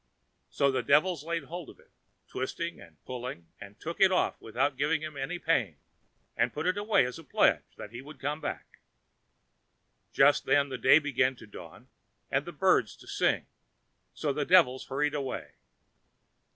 So the devils laid hold of it, twisting and pulling, and took it off without giving him any pain, and put it away as a pledge that he would come back. Just then the day began to dawn, and the birds to sing, so the devils hurried away.